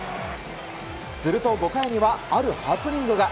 すると５回にはあるハプニングが。